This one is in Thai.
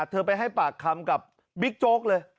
เธอไปให้ปากคำกับบิ๊กโจ๊กเลย